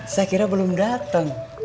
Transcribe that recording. saya kira belum datang